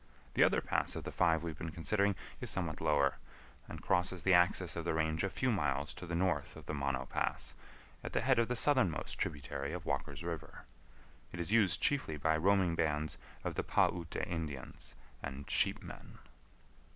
The other pass of the five we have been considering is somewhat lower, and crosses the axis of the range a few miles to the north of the Mono Pass, at the head of the southernmost tributary of Walker's River. It is used chiefly by roaming bands of the Pah Ute Indians and "sheepmen."